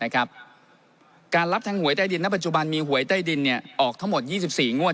การรับทั้งหวยใต้ดินณปัจจุบันมีหวยใต้ดินออกทั้งหมด๒๔งวด